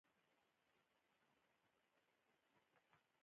د ځمکې پر سر به د انسانانو ماغزه وایشي.